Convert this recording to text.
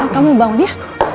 kamu bangun ya